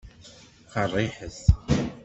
Qeṛṛiḥet.